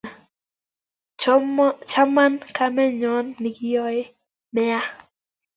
chaman kamenyon nekeyai nea